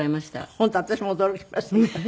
本当私も驚きましたけど。